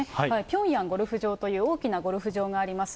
平壌ゴルフ場という大きなゴルフ場があります。